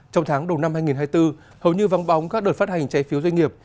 trong tháng đầu năm hai nghìn hai mươi bốn hầu như vắng bóng các đợt phát hành trái phiếu doanh nghiệp